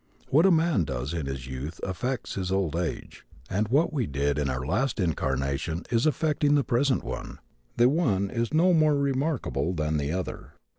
What a man does in his youth affects his old age, and what we did in our last incarnation is affecting the present one. The one is no more remarkable than the other.